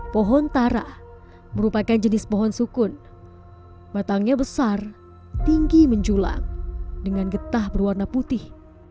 pohon tara merupakan jenis pohon sukun batangnya besar tinggi menjulang dengan getah berwarna putih